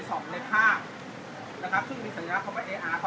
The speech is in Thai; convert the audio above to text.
สวัสดีครับ